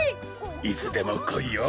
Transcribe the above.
いつでもこいよ！